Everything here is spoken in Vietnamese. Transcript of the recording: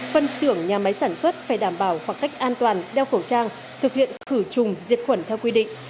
phân xưởng nhà máy sản xuất phải đảm bảo khoảng cách an toàn đeo khẩu trang thực hiện khử trùng diệt khuẩn theo quy định